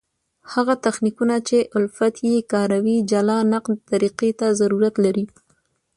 هغه تخنیکونه، چي الفت ئې کاروي جلا نقد طریقي ته ضرورت لري.